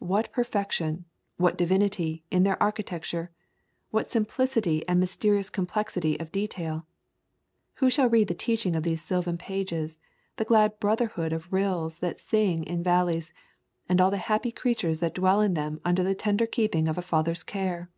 What perfection, what divin ity, in their architecture! What simplicity and mysterious complexity of detail! Who shall read the teaching of these sylvan pages, the glad brotherhood of rills that sing in the val leys, and all the happy creatures that dwell in them under the tender keeping of a Father's care?